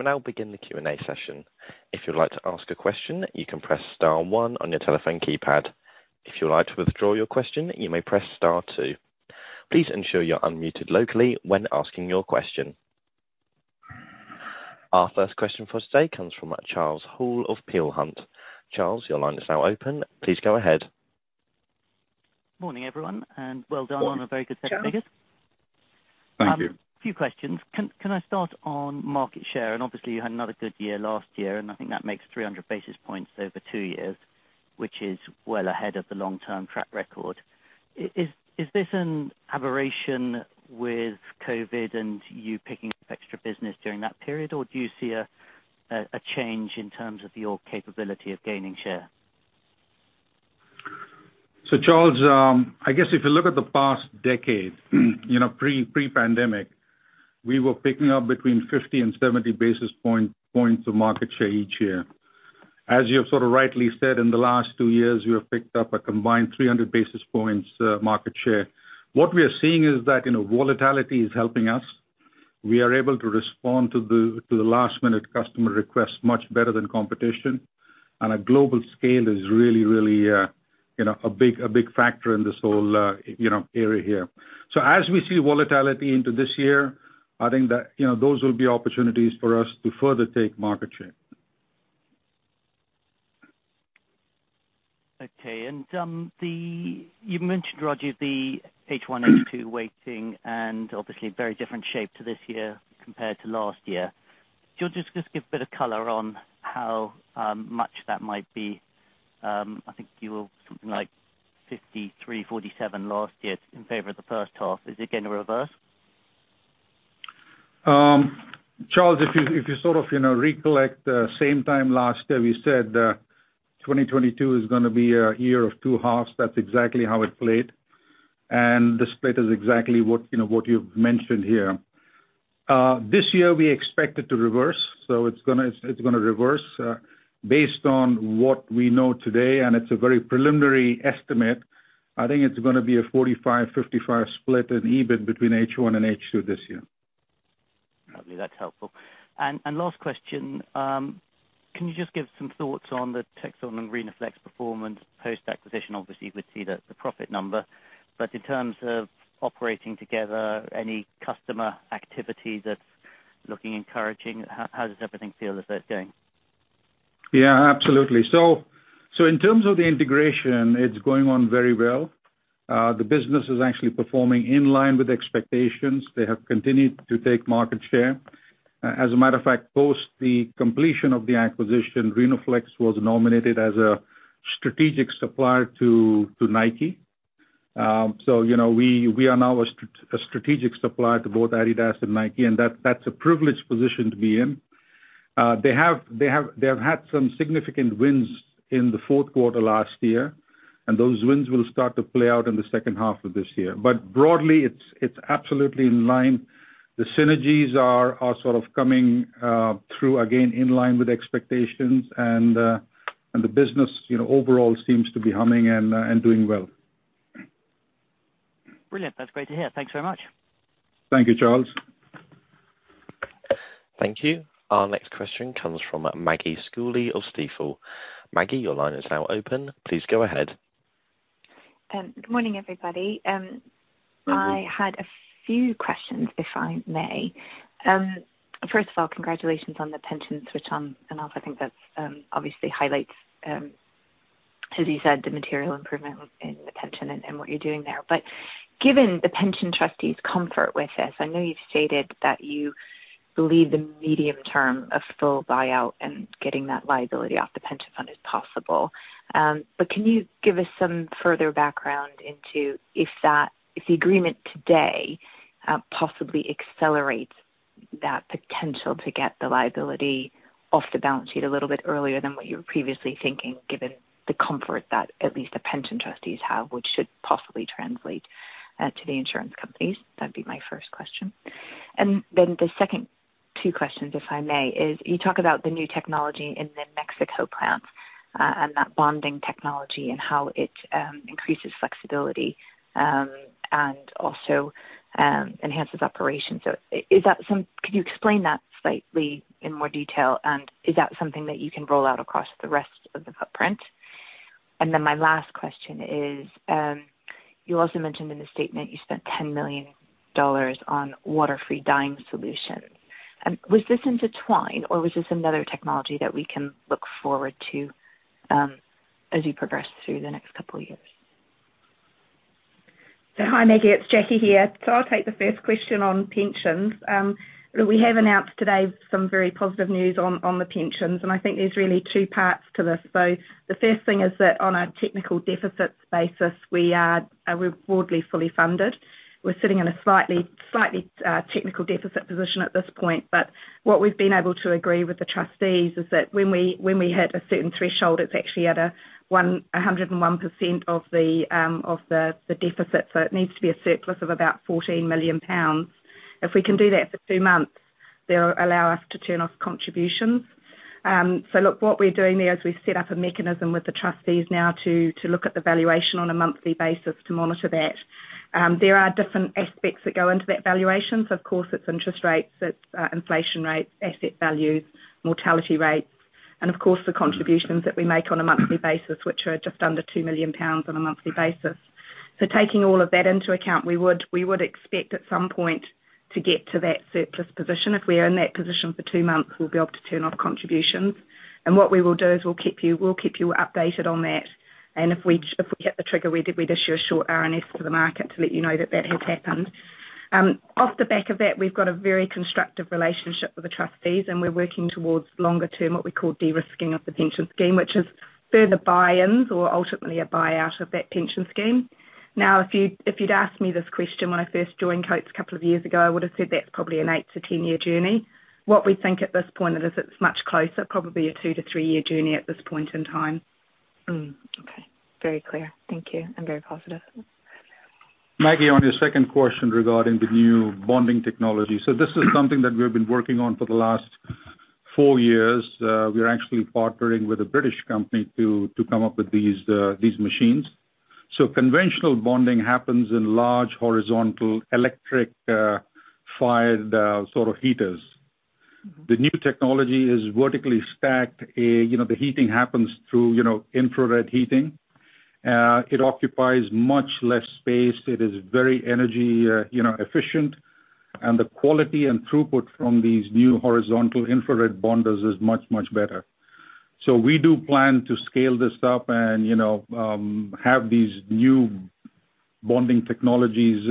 We will now begin the Q&A session. If you'd like to ask a question, you can press star one on your telephone keypad. If you'd like to withdraw your question, you may press star two. Please ensure you're unmuted locally when asking your question. Our first question for today comes from Charles Hall of Peel Hunt. Charles, your line is now open. Please go ahead. Morning, everyone. Well done on a very good set of figures. Thank you. Few questions. Can I start on market share? Obviously, you had another good year last year, and I think that makes 300 basis points over two years, which is well ahead of the long-term track record. Is this an aberration with COVID and you picking up extra business during that period, or do you see a change in terms of your capability of gaining share? Charles, I guess if you look at the past decade you know, pre-pandemic, we were picking up between 50 basis points and 70 basis points of market share each year. As you have sort of rightly said, in the last two years, we have picked up a combined 300 basis points market share. What we are seeing is that, you know, volatility is helping us. We are able to respond to the last-minute customer requests much better than competition. On a global scale is really, you know, a big factor in this whole, you know, area here. As we see volatility into this year, I think that, you know, those will be opportunities for us to further take market share. Okay. You mentioned, Rajiv, the H1 H2 weighting, and obviously very different shape to this year compared to last year. Do you want to just give a bit of color on how much that might be? I think you were something like 53 47 last year in favor of the first half. Is it gonna reverse? Charles, if you sort of, you know, recollect, same time last year, we said, 2022 is gonna be a year of two halves. That's exactly how it played. The split is exactly what, you know, what you've mentioned here. This year, we expect it to reverse. It's gonna reverse, based on what we know today, and it's a very preliminary estimate. I think it's gonna be a 45/55 split in EBIT between H1 and H2 this year. Lovely. That's helpful. Last question, can you just give some thoughts on the Texon and Rhenoflex performance post-acquisition? Obviously, we see the profit number. In terms of operating together, any customer activity that's looking encouraging, how does everything feel as that's going? Yeah, absolutely. In terms of the integration, it's going on very well. The business is actually performing in line with expectations. They have continued to take market share. As a matter of fact, post the completion of the acquisition, Rhenoflex was nominated as a strategic supplier to Nike. You know, we are now a strategic supplier to both Adidas and Nike, and that's a privileged position to be in. They have had some significant wins in the fourth quarter last year, and those wins will start to play out in the second half of this year. Broadly, it's absolutely in line. The synergies are sort of coming through, again, in line with expectations and the business, you know, overall seems to be humming and doing well. Brilliant. That's great to hear. Thanks very much. Thank you, Charles. Thank you. Our next question comes from Maggie Schooley of Stifel. Maggie, your line is now open. Please go ahead. Good morning, everybody. I had a few questions, if I may. First of all, congratulations on the pension switch on. I think that, obviously highlights, as you said, the material improvement in the pension and what you're doing there. Given the pension trustees' comfort with this, I know you've stated that you believe the medium term of full buy-out and getting that liability off the pension fund is possible. Can you give us some further background into if the agreement today, possibly accelerates that potential to get the liability off the balance sheet a little bit earlier than what you were previously thinking, given the comfort that at least the pension trustees have, which should possibly translate to the insurance companies? That'd be my first question? The second two questions, if I may, is you talk about the new technology in the Mexico plants, and that bonding technology and how it increases flexibility, and also enhances operations. Could you explain that slightly in more detail? Is that something that you can roll out across the rest of the footprint? My last question is, you also mentioned in the statement you spent $10 million on water-free dyeing solutions. Was this intertwined or was this another technology that we can look forward to, as you progress through the next couple of years? Hi, Maggie, it's Jackie here. I'll take the first question on pensions. Look, we have announced today some very positive news on the pensions, and I think there's really two parts to this. The first thing is that on a technical deficits basis, we're broadly fully funded. We're sitting in a slightly technical deficit position at this point. What we've been able to agree with the trustees is that when we hit a certain threshold, it's actually at a 101% of the deficit. It needs to be a surplus of about 14 million pounds. If we can do that for two months, they'll allow us to turn off contributions. Look, what we're doing there is we've set up a mechanism with the trustees now to look at the valuation on a monthly basis to monitor that. There are different aspects that go into that valuation. Of course, it's interest rates, it's inflation rates, asset values, mortality rates. Of course, the contributions that we make on a monthly basis, which are just under 2 million pounds on a monthly basis. Taking all of that into account, we would expect at some point to get to that surplus position. If we're in that position for two months, we'll be able to turn off contributions. What we will do is we'll keep you updated on that. If we hit the trigger, we'd issue a short RNS to the market to let you know that that has happened. Off the back of that, we've got a very constructive relationship with the trustees, and we're working towards longer-term, what we call de-risking of the pension scheme, which is further buy-ins or ultimately a buy-out of that pension scheme. If you, if you'd asked me this question when I first joined Coats a couple of years ago, I would have said that's probably an eight to 10-year journey. What we think at this point is it's much closer, probably a two to three-year journey at this point in time. Okay. Very clear. Thank you. Very positive. Maggie, on your second question regarding the new bonding technology. This is something that we have been working on for the last four years. We are actually partnering with a British company to come up with these machines. Conventional bonding happens in large horizontal electric fired sort of heaters. The new technology is vertically stacked. You know, the heating happens through, you know, infrared heating. It occupies much less space. It is very energy, you know, efficient. The quality and throughput from these new horizontal infrared bonders is much better. We do plan to scale this up and, you know, have these new bonding technologies,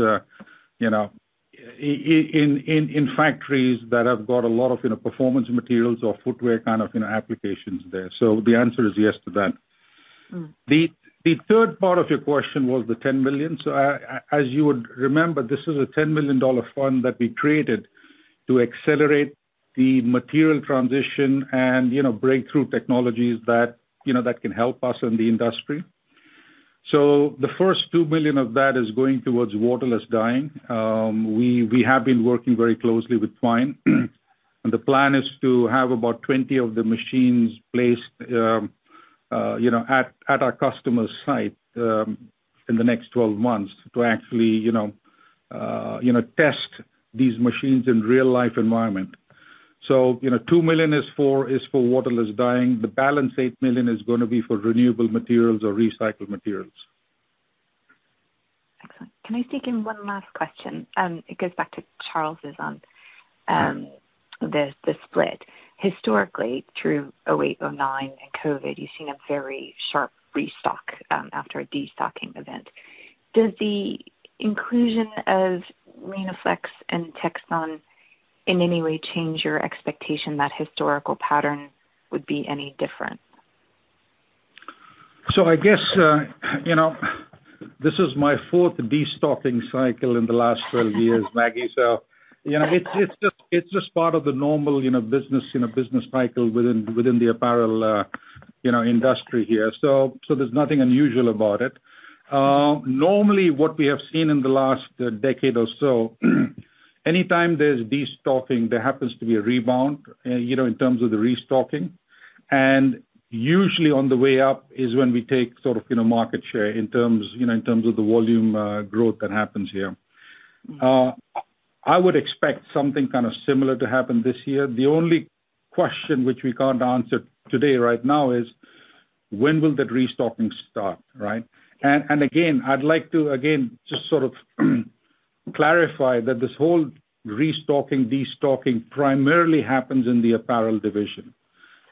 you know, in factories that have got a lot of, you know, performance materials or footwear kind of, you know, applications there. The answer is yes to that. Mm. The third part of your question was the $10 million. As you would remember, this is a $10 million fund that we created to accelerate the material transition and, you know, breakthrough technologies that, you know, that can help us in the industry. The first $2 million of that is going towards waterless dyeing. We have been working very closely with Twine. The plan is to have about 20 of the machines placed, you know, at our customer site, in the next 12 months to actually, you know, test these machines in real-life environment. You know, $2 million is for waterless dyeing. The balance $8 million is gonna be for renewable materials or recycled materials. Excellent. Can I sneak in one last question? It goes back to Charles's on the split. Historically, through 2008, 2009 and COVID, you've seen a very sharp restock after a destocking event. Does the inclusion of Rhenoflex and Texon in any way change your expectation that historical pattern would be any different? I guess, you know, this is my fourth destocking cycle in the last 12 years, Maggie. You know, it's just part of the normal, you know, business, you know, business cycle within the apparel, you know, industry here. There's nothing unusual about it. Normally what we have seen in the last decade or so, anytime there's destocking, there happens to be a rebound, you know, in terms of the restocking. Usually on the way up is when we take sort of, you know, market share in terms, you know, in terms of the volume, growth that happens here. I would expect something kind of similar to happen this year. The only question which we can't answer today right now is when will that restocking start, right? Again, I'd like to just sort of clarify that this whole restocking, destocking primarily happens in the apparel division.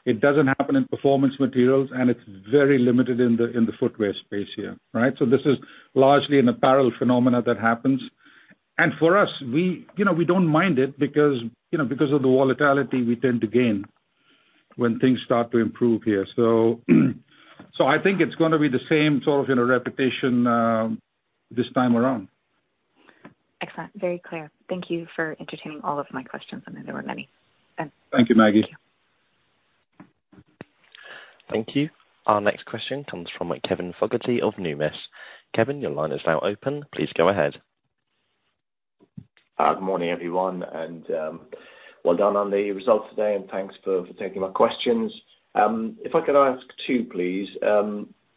It doesn't happen in Performance Materials, and it's very limited in the footwear space here, right? This is largely an apparel phenomena that happens. For us, we, you know, we don't mind it because, you know, because of the volatility we tend to gain when things start to improve here. I think it's gonna be the same sort of, you know, reputation this time around. Excellent. Very clear. Thank you for entertaining all of my questions. I know there were many. Thanks. Thank you, Maggie. Thank you. Thank you. Our next question comes from Kevin Fogarty of Numis. Kevin, your line is now open. Please go ahead. Good morning, everyone. Well done on the results today, and thanks for taking my questions. If I could ask two, please.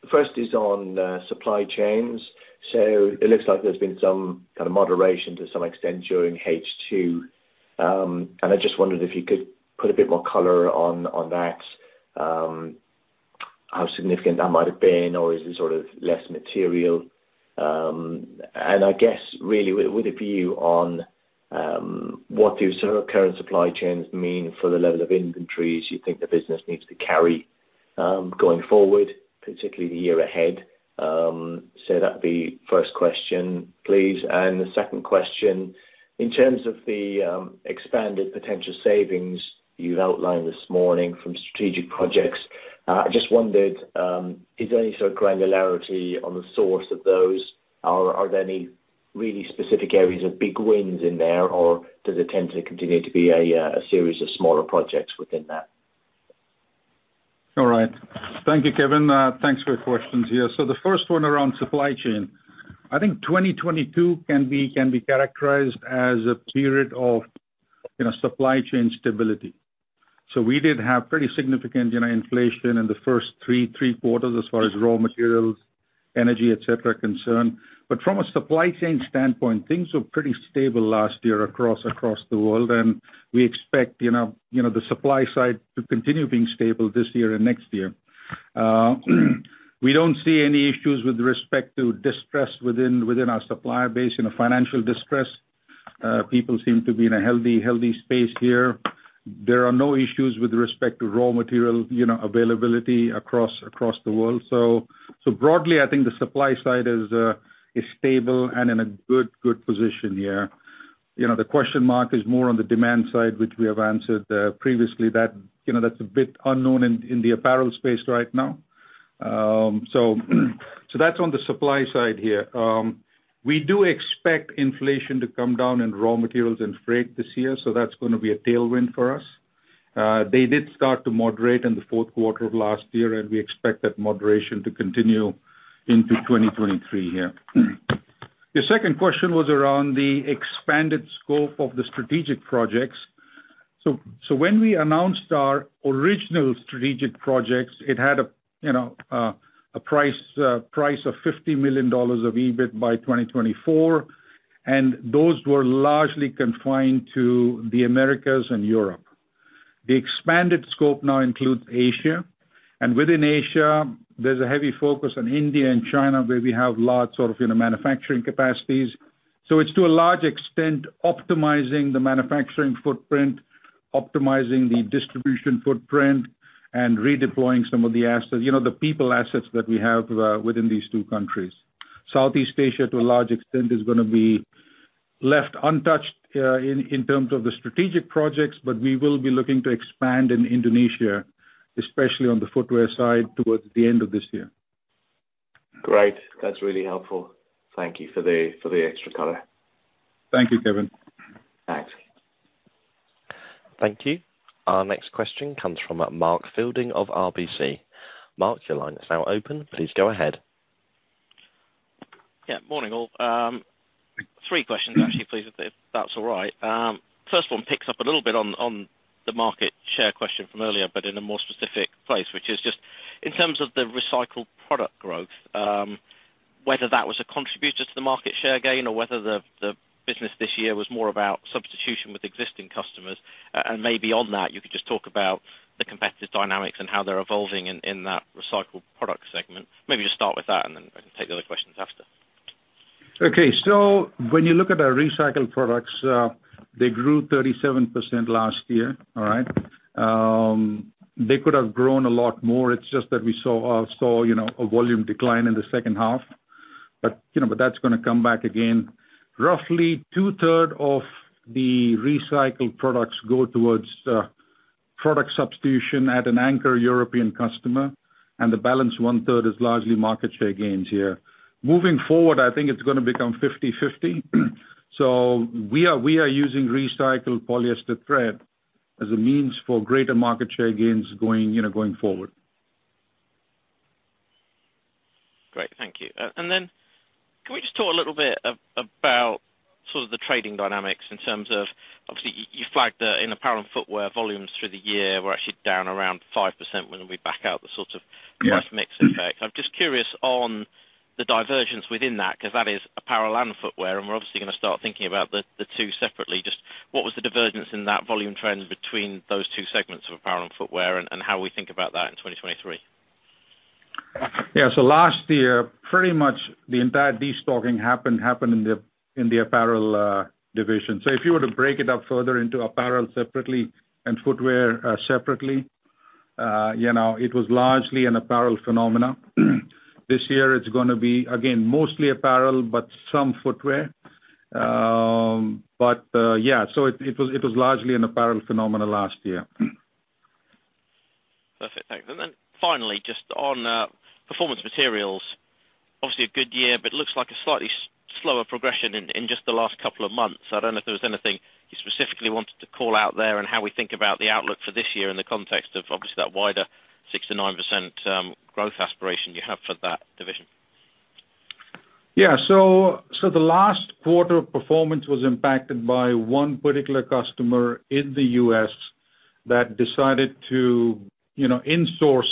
First is on supply chains. It looks like there's been some kind of moderation to some extent during H2. I just wondered if you could put a bit more color on that, how significant that might have been or is it sort of less material? I guess really with a view on what do sort of current supply chains mean for the level of inventories you think the business needs to carry going forward, particularly the year ahead? That'd be first question, please. The second question, in terms of the expanded potential savings you've outlined this morning from strategic projects, I just wondered, is there any sort of granularity on the source of those? Are there any really specific areas of big wins in there, or does it tend to continue to be a series of smaller projects within that? All right. Thank you, Kevin. Thanks for your questions here. The first one around supply chain. I think 2022 can be characterized as a period of, you know, supply chain stability. We did have pretty significant, you know, inflation in the first three quarters as far as raw materials, energy, et cetera, concern. From a supply chain standpoint, things were pretty stable last year across the world, and we expect, you know, the supply side to continue being stable this year and next year. We don't see any issues with respect to distress within our supplier base, you know, financial distress. People seem to be in a healthy space here. There are no issues with respect to raw material, you know, availability across the world. Broadly, I think the supply side is stable and in a good position here. You know, the question mark is more on the demand side, which we have answered, previously that, you know, that's a bit unknown in the apparel space right now. That's on the supply side here. We do expect inflation to come down in raw materials and freight this year, so that's gonna be a tailwind for us. They did start to moderate in the fourth quarter of last year, and we expect that moderation to continue into 2023 here. The second question was around the expanded scope of the strategic projects. When we announced our original strategic projects, it had a, you know, a price of $50 million of EBIT by 2024, and those were largely confined to the Americas and Europe. The expanded scope now includes Asia, within Asia, there's a heavy focus on India and China, where we have large sort of, you know, manufacturing capacities. It's to a large extent optimizing the manufacturing footprint, optimizing the distribution footprint, and redeploying some of the assets, you know, the people assets that we have, within these two countries. Southeast Asia, to a large extent, is gonna be left untouched, in terms of the strategic projects, but we will be looking to expand in Indonesia, especially on the footwear side towards the end of this year. Great. That's really helpful. Thank you for the extra color. Thank you, Kevin. Thanks. Thank you. Our next question comes from Mark Fielding of RBC. Mark, your line is now open. Please go ahead. Yeah, morning, all. Three questions actually, please, if that's all right. First one picks up a little bit on the market share question from earlier, but in a more specific place, which is just in terms of the recycled product growth, whether that was a contributor to the market share gain or whether the business this year was more about substitution with existing customers. Maybe on that, you could just talk about the competitive dynamics and how they're evolving in that recycled product segment. Maybe just start with that, and then I can take the other questions after. Okay. When you look at our recycled products, they grew 37% last year, all right? They could have grown a lot more. It's just that we saw, you know, a volume decline in the second half. That's gonna come back again. Roughly 2/3 of the recycled products go towards product substitution at an anchor European customer, and the balance 1/3 is largely market share gains here. Moving forward, I think it's gonna become 50/50. We are using recycled polyester thread as a means for greater market share gains going, you know, going forward. Great. Thank you. Can we just talk a little bit about sort of the trading dynamics in terms of obviously you flagged the in apparel and footwear volumes through the year were actually down around 5% when we back out the price mix effect. I'm just curious on the divergence within that, 'cause that is apparel and footwear, and we're obviously gonna start thinking about the two separately. Just what was the divergence in that volume trend between those two segments of apparel and footwear and how we think about that in 2023? Yeah. Last year, pretty much the entire destocking happened in the apparel division. If you were to break it up further into apparel separately and footwear separately, you know, it was largely an apparel phenomena. This year it's gonna be again, mostly apparel, but some footwear. Yeah, it was largely an apparel phenomena last year. Perfect. Thanks. Finally, just on Performance Materials, obviously a good year, but looks like a slightly slower progression in just the last couple of months. I don't know if there was anything you specifically wanted to call out there and how we think about the outlook for this year in the context of obviously that wider 6%-9% growth aspiration you have for that division? Yeah. The last quarter performance was impacted by one particular customer in the U.S. that decided to, you know, insource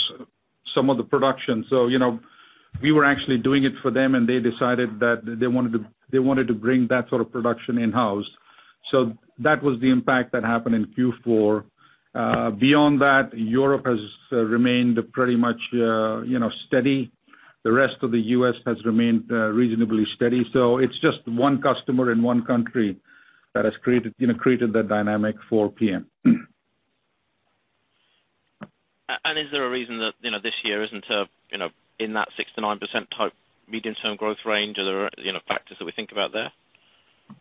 some of the production. You know, we were actually doing it for them, and they decided that they wanted to bring that sort of production in-house. That was the impact that happened in Q4. Beyond that, Europe has remained pretty much, you know, steady. The rest of the U.S. has remained reasonably steady. It's just one customer in one country that has created, you know, created that dynamic for PM. Is there a reason that, you know, this year isn't, you know, in that 6%-9% type medium-term growth range? Are there, you know, factors that we think about there?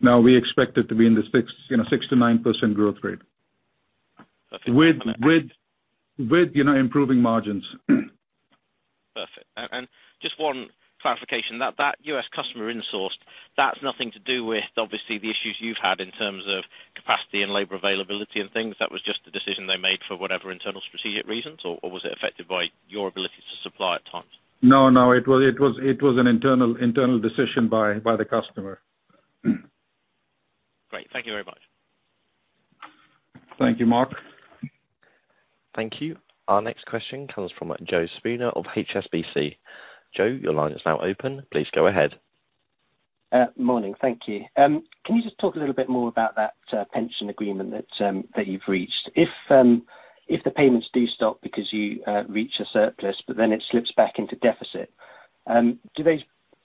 No, we expect it to be in the 6%, you know, 6%-9% growth rate. Perfect. With, you know, improving margins. Perfect. Just one clarification, that U.S. customer insourced, that's nothing to do with obviously the issues you've had in terms of capacity and labor availability and things. That was just the decision they made for whatever internal strategic reasons, or was it affected by your ability to supply at times? No, it was an internal decision by the customer. Great. Thank you very much. Thank you, Mark. Thank you. Our next question comes from Joe Spooner of HSBC. Joe, your line is now open. Please go ahead. Morning. Thank you. Can you just talk a little bit more about that pension agreement that you've reached? If, if the payments do stop because you reach a surplus but then it slips back into deficit, do those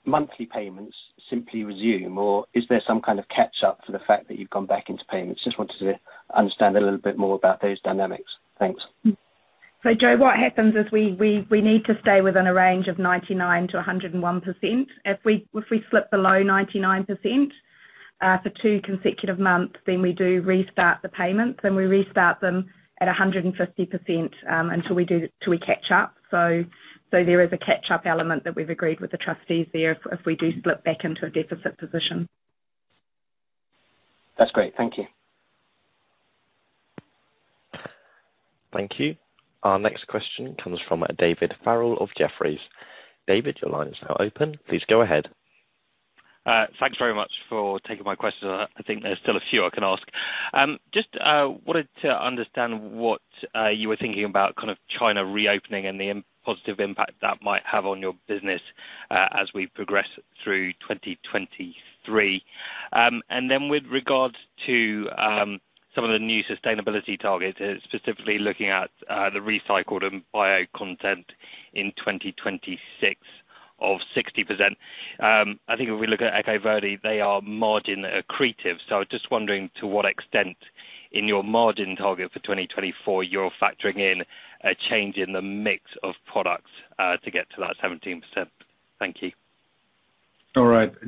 monthly payments simply resume or is there some kind of catch-up for the fact that you've gone back into payments? Just wanted to understand a little bit more about those dynamics. Thanks. Joe, what happens is we need to stay within a range of 99%-101%. If we slip below 99% for two consecutive months, then we do restart the payments, and we restart them at 150% 'til we catch up. There is a catch-up element that we've agreed with the trustees there if we do slip back into a deficit position. That's great. Thank you. Thank you. Our next question comes from David Farrell of Jefferies. David, your line is now open. Please go ahead. Thanks very much for taking my questions. I think there's still a few I can ask. Just wanted to understand what you were thinking about kind of China reopening and the positive impact that might have on your business as we progress through 2023. With regards to some of the new sustainability targets, specifically looking at the recycled and bio content in 2026 of 60%. I think if we look at EcoVerde, they are margin accretive. Just wondering to what extent in your margin target for 2024 you're factoring in a change in the mix of products to get to that 17%. Thank you.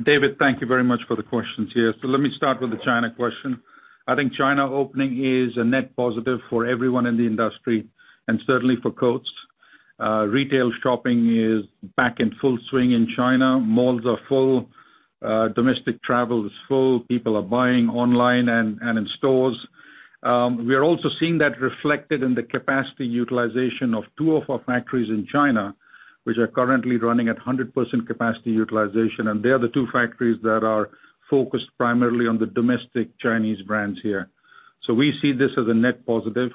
David, thank you very much for the questions here. Let me start with the China question. I think China opening is a net positive for everyone in the industry and certainly for Coats. Retail shopping is back in full swing in China. Malls are full. Domestic travel is full. People are buying online and in stores. We are also seeing that reflected in the capacity utilization of two of our factories in China, which are currently running at 100% capacity utilization. They're the two factories that are focused primarily on the domestic Chinese brands here. We see this as a net positive.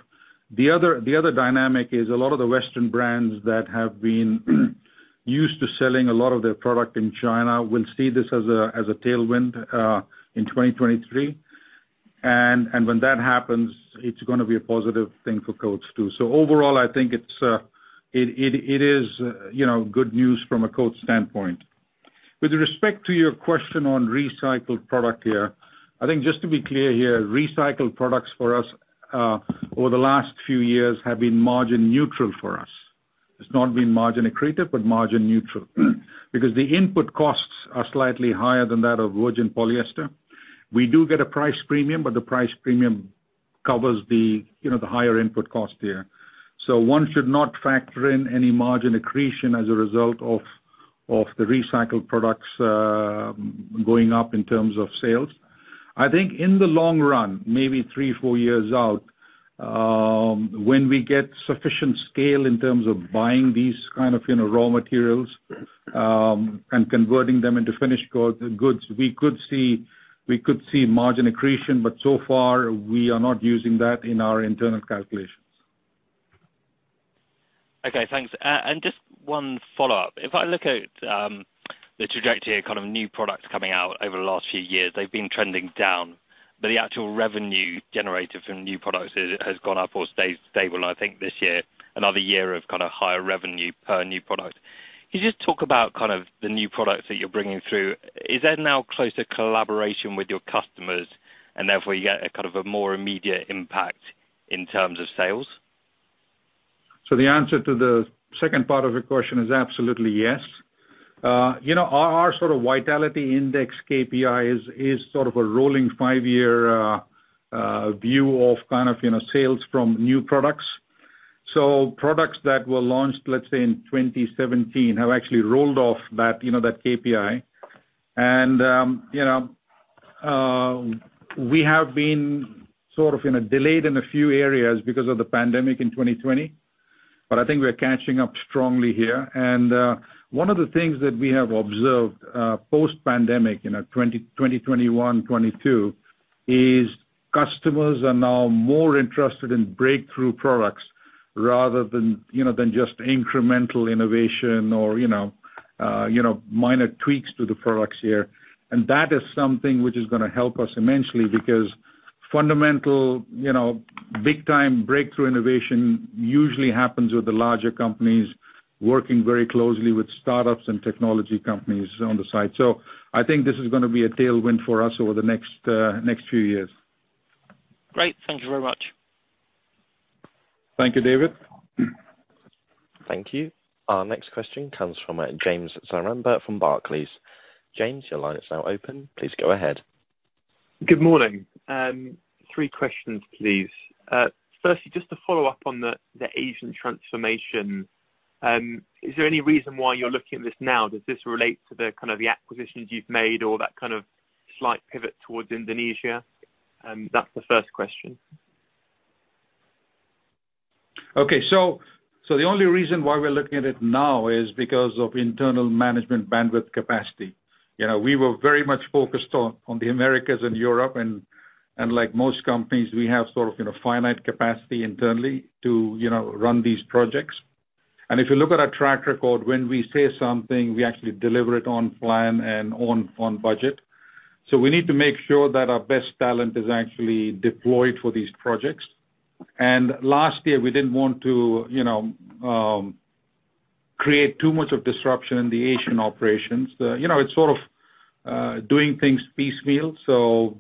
The other, the other dynamic is a lot of the Western brands that have been used to selling a lot of their product in China will see this as a, as a tailwind in 2023. When that happens, it's gonna be a positive thing for Coats too. Overall, I think it's, it is, you know, good news from a Coats standpoint. With respect to your question on recycled product here, I think just to be clear here, recycled products for us, over the last few years have been margin neutral for us. It's not been margin accretive, but margin neutral. The input costs are slightly higher than that of virgin polyester. We do get a price premium, but the price premium covers the, you know, the higher input cost here. One should not factor in any margin accretion as a result of the recycled products going up in terms of sales. I think in the long run, maybe three, four years out, when we get sufficient scale in terms of buying these kind of, you know, raw materials, and converting them into finished goods, we could see margin accretion. So far, we are not using that in our internal calculations. Okay, thanks. Just one follow-up. If I look at the trajectory of kind of new products coming out over the last few years, they've been trending down. The actual revenue generated from new products has gone up or stayed stable, I think, this year. Another year of kinda higher revenue per new product. Can you just talk about kind of the new products that you're bringing through? Is there now closer collaboration with your customers and therefore you get a kind of a more immediate impact in terms of sales? The answer to the second part of your question is absolutely yes. you know, our sort of Vitality Index KPI is sort of a rolling five-year view of kind of, you know, sales from new products. Products that were launched, let's say in 2017, have actually rolled off that, you know, that KPI. We have been sort of, you know, delayed in a few areas because of the pandemic in 2020, but I think we're catching up strongly here. One of the things that we have observed post-pandemic in 2020, 2021, 2022, is customers are now more interested in breakthrough products rather than, you know, than just incremental innovation or, you know, minor tweaks to the products here. That is something which is gonna help us immensely because fundamental, you know, big-time breakthrough innovation usually happens with the larger companies working very closely with startups and technology companies on the side. I think this is gonna be a tailwind for us over the next next few years. Great. Thank you very much. Thank you, David. Thank you. Our next question comes from James Zaremba from Barclays. James, your line is now open. Please go ahead. Good morning. Three questions, please. Firstly, just to follow up on the Asian transformation, is there any reason why you're looking at this now? Does this relate to the, kind of the acquisitions you've made or that kind of slight pivot towards Indonesia? That's the first question. Okay. The only reason why we're looking at it now is because of internal management bandwidth capacity. You know, we were very much focused on the Americas and Europe, and like most companies, we have sort of, you know, finite capacity internally to, you know, run these projects. If you look at our track record, when we say something, we actually deliver it on plan and on budget. We need to make sure that our best talent is actually deployed for these projects. Last year, we didn't want to, you know, create too much of disruption in the Asian operations. You know, it's sort of doing things piecemeal, so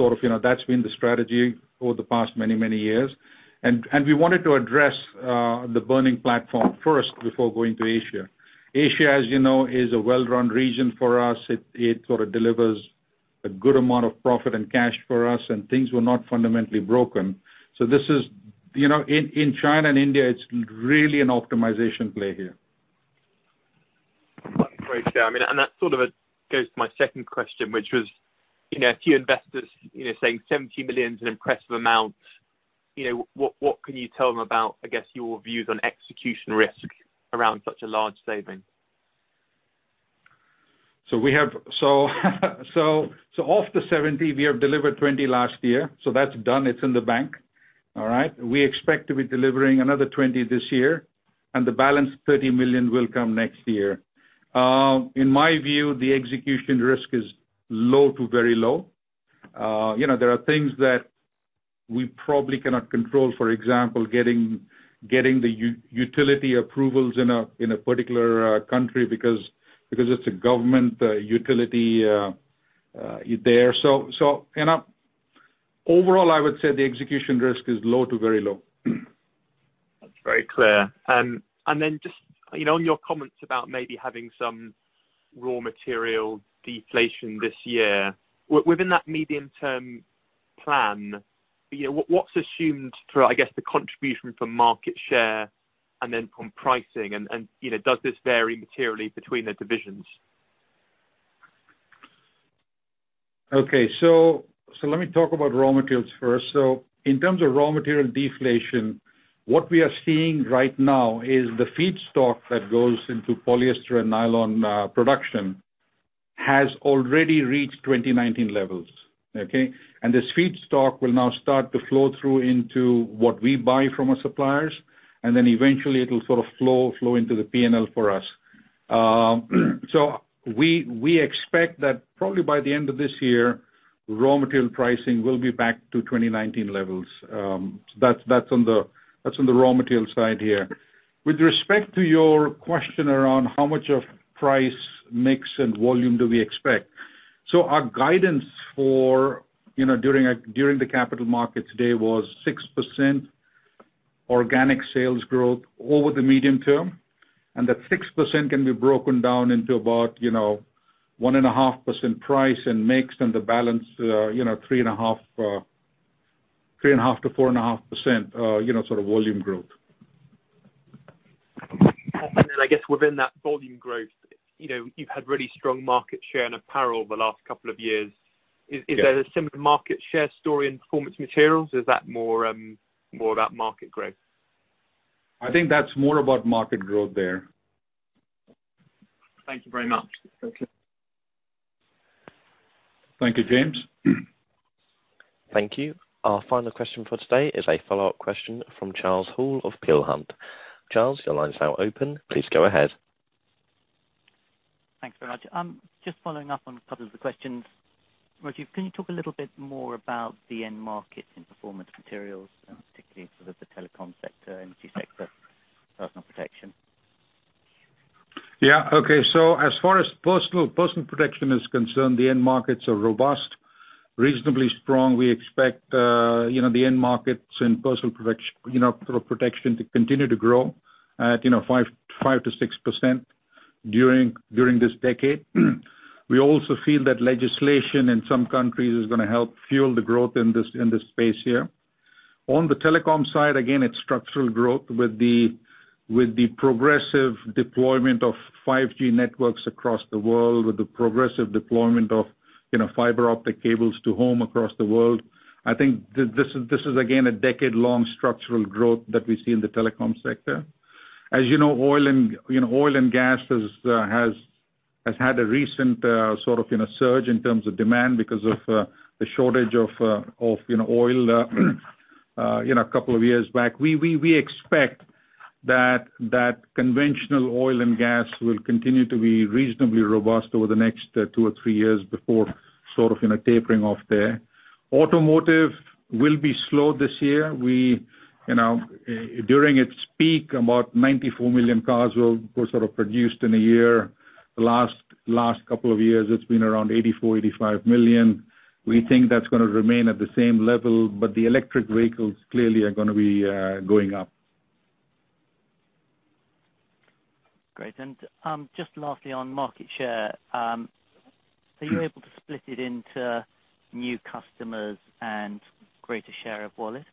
sort of, you know, that's been the strategy over the past many, many years. We wanted to address the burning platform first before going to Asia. Asia, as you know, is a well-run region for us. It sort of delivers a good amount of profit and cash for us, things were not fundamentally broken. This is, you know, in China and India, it's really an optimization play here. Great. Yeah. I mean, that sort of goes to my second question, which was, you know, a few investors, you know, saying $70 million is an impressive amount. You know, what can you tell them about, I guess, your views on execution risk around such a large saving? Of the $70, we have delivered $20 last year, so that's done. It's in the bank. All right? We expect to be delivering another $20 this year, and the balance $30 million will come next year. In my view, the execution risk is low to very low. You know, there are things that we probably cannot control, for example, getting the utility approvals in a particular country because it's a government utility there. You know, overall, I would say the execution risk is low to very low. That's very clear. Then just, you know, in your comments about maybe having some raw material deflation this year, within that medium-term plan, you know, what's assumed for, I guess, the contribution from market share and then from pricing? You know, does this vary materially between the divisions? Okay. Let me talk about raw materials first. In terms of raw material deflation, what we are seeing right now is the feedstock that goes into polyester and nylon production has already reached 2019 levels. Okay. This feedstock will now start to flow through into what we buy from our suppliers, and then eventually it'll sort of flow into the P&L for us. We expect that probably by the end of this year, raw material pricing will be back to 2019 levels. That's on the raw material side here. With respect to your question around how much of price mix and volume do we expect. Our guidance for, you know, during the Capital Markets Day was 6% organic sales growth over the medium term. That 6% can be broken down into about, you know, 1.5% price and mix and the balance, you know, 3.5%-4.5%, you know, sort of volume growth. I guess within that volume growth, you know, you've had really strong market share in apparel the last couple of years. Yeah. Is that a similar market share story in performance materials? Is that more, more about market growth? I think that's more about market growth there. Thank you very much. Okay. Thank you, James. Thank you. Our final question for today is a follow-up question from Charles Hall of Peel Hunt. Charles, your line is now open. Please go ahead. Thanks very much. Just following up on a couple of the questions. Rajiv, can you talk a little bit more about the end markets in performance materials, and particularly for the telecom sector, energy sector, Personal Protection? As far as personal protection is concerned, the end markets are robust, reasonably strong. We expect the end markets in personal protection to continue to grow at 5%-6% during this decade. We also feel that legislation in some countries is gonna help fuel the growth in this, in this space here. On the telecom side, again, it's structural growth with the progressive deployment of 5G networks across the world, with the progressive deployment of fiber optic cables to home across the world. I think this is, again, a decade-long structural growth that we see in the telecom sector. As you know, oil and, you know, oil and gas has had a recent, sort of, you know, surge in terms of demand because of the shortage of, you know, oil, you know, a couple of years back. We expect that that conventional oil and gas will continue to be reasonably robust over the next two or three years before sort of, you know, tapering off there. Automotive will be slow this year. We, you know, during its peak, about 94 million cars were sort of produced in a year. The last couple of years, it's been around 84-85 million cars. We think that's gonna remain at the same level. The electric vehicles clearly are gonna be going up. Great. Just lastly on market share, are you able to split it into new customers and greater share of wallet?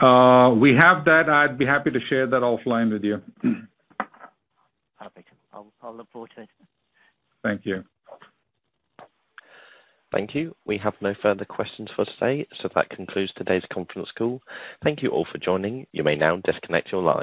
We have that. I'd be happy to share that offline with you. Perfect. I'll look forward to it. Thank you. Thank you. We have no further questions for today. That concludes today's conference call. Thank you all for joining. You may now disconnect your lines.